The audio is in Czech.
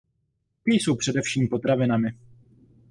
Tuky jsou především potravinami.